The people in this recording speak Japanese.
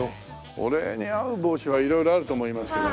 俺に合う帽子は色々あると思いますけども。